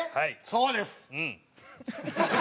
そうです！